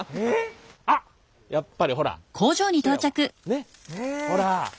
ねっほら。